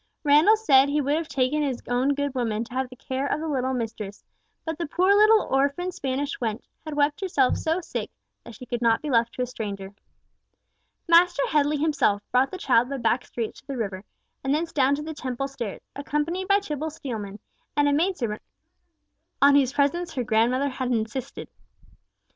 Randall said he would have taken his own good woman to have the care of the little mistress, but that the poor little orphan Spanish wench had wept herself so sick, that she could not be left to a stranger. Master Headley himself brought the child by back streets to the river, and thence down to the Temple stairs, accompanied by Tibble Steelman, and a maid servant on whose presence her grandmother had insisted.